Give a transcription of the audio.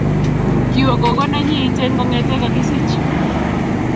kiwo gogonenyi Iten kongete kagisich